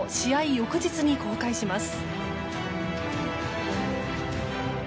翌日に公開します。